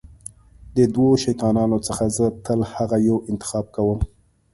د دوو شیطانانو څخه زه تل هغه یو انتخاب کوم.